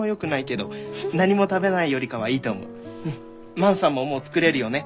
万さんももう作れるよね？